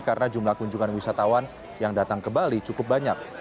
karena jumlah kunjungan wisatawan yang datang ke bali cukup banyak